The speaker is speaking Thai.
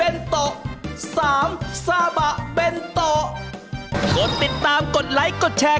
เอาเต้นหน่อยแล้วเดินไป